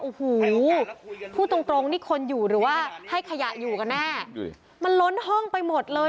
โอ้โหพูดตรงตรงนี่คนอยู่หรือว่าให้ขยะอยู่กันแน่มันล้นห้องไปหมดเลย